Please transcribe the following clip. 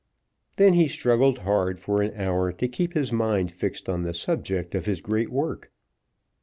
Then he struggled hard for an hour to keep his mind fixed on the subject of his great work.